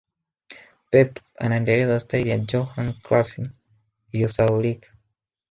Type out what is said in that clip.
pep anaendeleza staili ya Johan Crufy iliyosahaulika